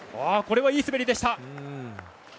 これはいい滑りでした。